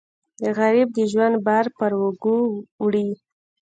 غریب د ژوند بار پر اوږو وړي